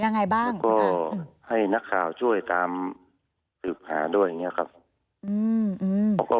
ยังไงบ้างก็ให้นักข่าวช่วยตามสืบหาด้วยอย่างเงี้ยครับ